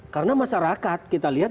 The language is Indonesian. karena masyarakat kita lihat